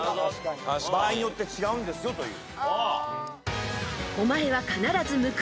場合によって違うんですよという。